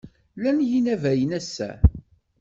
Llan yinabayen ass-a?